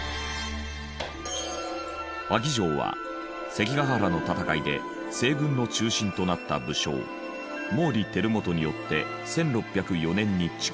萩城は関ヶ原の戦いで西軍の中心となった武将毛利輝元によって１６０４年に築城。